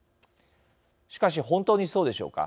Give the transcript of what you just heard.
しかし本当にそうでしょうか。